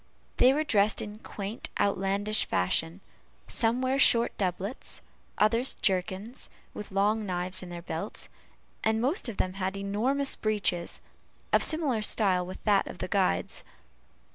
They were dressed in quaint outlandish fashion; some wore short doublets, others jerkins, with long knives in their belts, and most of them had enormous breeches, of similar style with that of the guide's.